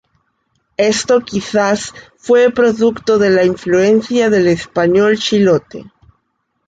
Esto quizás fue producto de la influencia del español chilote.